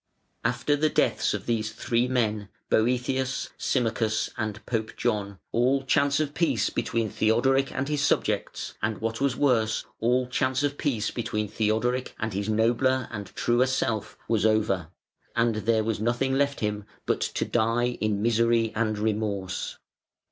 After the deaths of these three men, Boëthius, Symmachus, and Pope John, all chance of peace between Theodoric and his subjects, and what was worse, all chance of peace between Theodoric and his nobler and truer self was over, and there was nothing left him but to die in misery and remorse.